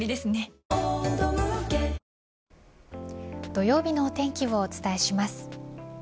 土曜日のお天気をお伝えします。